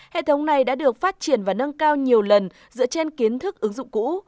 hệ thống này đã được phát triển và nâng cao nhiều lần dựa trên kiến thức ứng dụng cũ